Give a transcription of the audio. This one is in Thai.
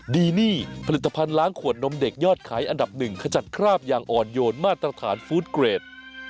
ดีนี่ผลิตภัณฑ์ล้างขวดนมเด็กยอดขายอันดับหนึ่งขจัดคราบอย่างอ่อนโยนมาตรฐานฟู้ดเกรด